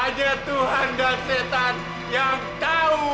ada tuhan dan setan yang tahu